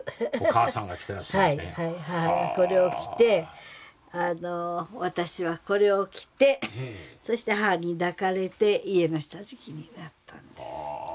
母がこれを着て私はこれを着てそして母に抱かれて家の下敷きになったんです。